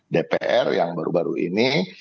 dpr yang baru baru ini